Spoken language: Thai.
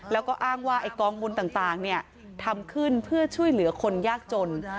แล้วก็อ้างว่าไอ้กองบุญต่างทำขึ้นเพื่อช่วยเหลือคนยากจน